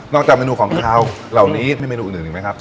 จากเมนูของขาวเหล่านี้มีเมนูอื่นอีกไหมครับ